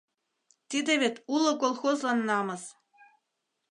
Тиде вет уло колхозлан намыс!